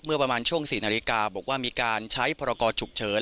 เมื่อประมาณช่วง๔นาฬิกาบอกว่ามีการใช้พรกรฉุกเฉิน